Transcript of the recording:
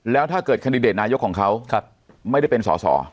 แล้วถ้าเกิดแคนดิเดตนายกของเขาไม่ได้เป็นสอสอ